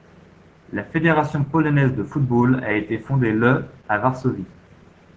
La fédération polonaise de football a été fondée le à Varsovie.